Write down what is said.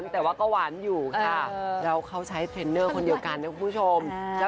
เป็นสายปริตด้วยกันทั้งคู่นะฮะ